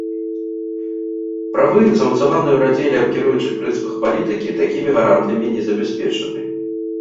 Правы, замацаваныя ў раздзеле аб кіруючых прынцыпах палітыкі, такімі гарантыямі не забяспечаны.